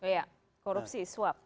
iya korupsi swap